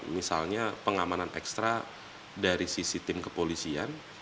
misalnya pengamanan ekstra dari sisi tim kepolisian